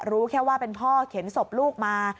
รู้แค่ว่าเป็นพ่อเข็นศพลูกมา